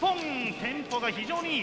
テンポが非常にいい。